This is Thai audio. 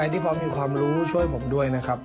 ที่พร้อมมีความรู้ช่วยผมด้วยนะครับ